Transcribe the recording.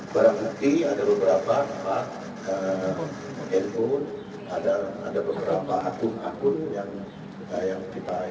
berbukti ada beberapa handphone ada beberapa akun akun yang kita lainkan